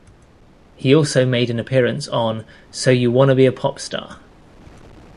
He also made an appearance on So You Wanna be a Popstar?